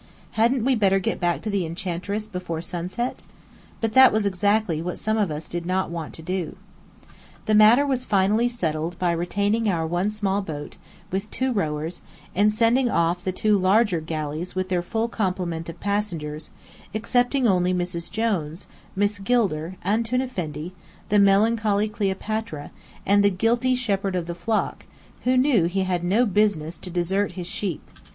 Hadn't we better get back to the Enchantress before sunset? But that was exactly what some of us did not want to do. The matter was finally settled by retaining our one small boat, with two rowers, and sending off the two larger "galleys" with their full complement of passengers, excepting only "Mrs. Jones," Miss Gilder, Antoun Effendi, the melancholy Cleopatra, and the guilty shepherd of the flock, who knew he had no business to desert his sheep.